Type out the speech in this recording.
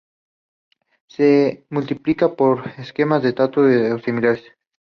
Se multiplica por esquejes de tallo o semillas.